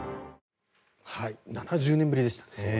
７０年ぶりでしたね。